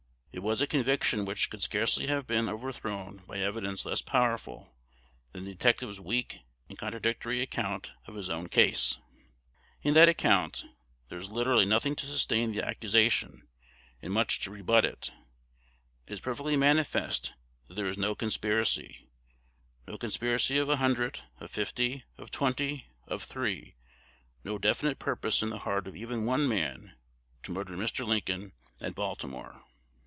It was a conviction which could scarcely have been overthrown by evidence less powerful than the detective's weak and contradictory account of his own case. In that account there is literally nothing to sustain the accusation, and much to rebut it. It is perfectly manifest that there was no conspiracy, no conspiracy of a hundred, of fifty, of twenty, of three; no definite purpose in the heart of even one man to murder Mr. Lincoln at Baltimore.